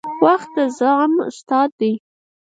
• وخت د زغم استاد دی.